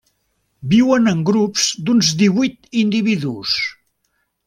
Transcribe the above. Viuen en grups d'uns divuit individus.